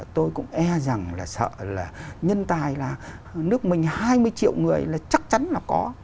tôi cũng e rằng là sợ là nhân tài là nước mình hai mươi triệu người là chắc chắn là có